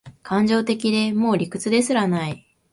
感情的で、もう理屈ですらない